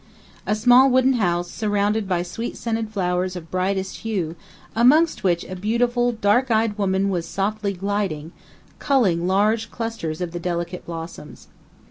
A small wooden house, surrounded by sweet scented flowers of brightest hue, amongst which a beautiful, dark eyed woman was softly gliding, culling large clusters of the delicate blossoms.